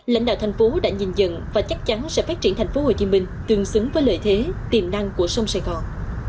lãnh đạo thành phố đã nhìn dần và chắc chắn sẽ phát triển tp hcm tương xứng với lợi thế tiềm năng của sông sài gòn